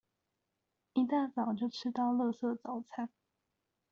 一大早就吃到垃圾早餐